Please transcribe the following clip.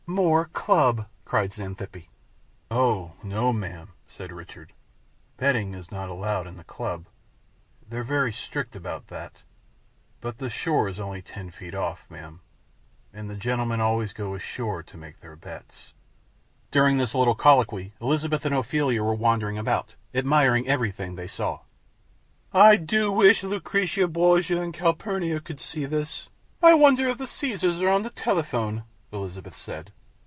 "More club!" cried Xanthippe. "Oh no, ma'am," said Richard. "Betting is not allowed in the club; they're very strict about that. But the shore is only ten feet off, ma'am, and the gentlemen always go ashore and make their bets." During this little colloquy Elizabeth and Ophelia were wandering about, admiring everything they saw. "I do wish Lucretia Borgia and Calpurnia could see this. I wonder if the Caesars are on the telephone," Elizabeth said.